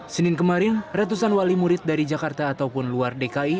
senin kemarin ratusan wali murid dari jakarta ataupun luar dki